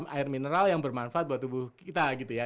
air mineral yang bermanfaat buat tubuh kita gitu ya